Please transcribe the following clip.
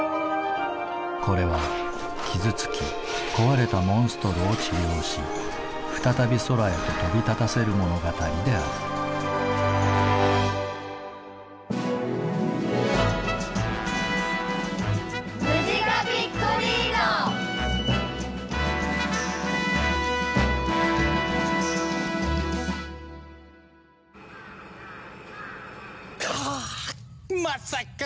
これは傷つき壊れたモンストロを治療し再び空へと飛び立たせる物語であるかぁっまさか